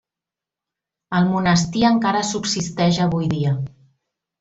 El monestir encara subsisteix avui dia.